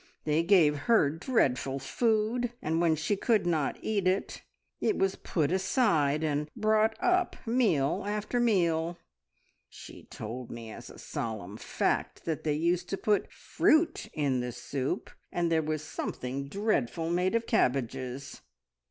They gave her dreadful food, and when she could not eat it, it was put aside and brought up meal after meal. She told me as a solemn fact that they used to put fruit in the soup, and there was something dreadful made of cabbages.